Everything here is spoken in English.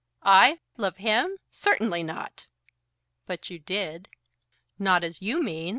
"I love him! certainly not." "But you did." "Not as you mean.